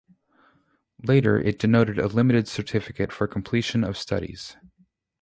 Later, it denoted a limited certificate for completion of studies.